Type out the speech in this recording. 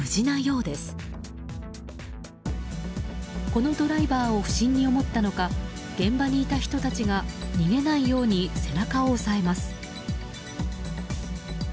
このドライバーを不審に思ったのか現場にいた人たちが逃げないように背中を押さえます。